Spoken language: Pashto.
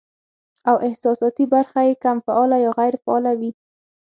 او احساساتي برخه ئې کم فعاله يا غېر فعاله وي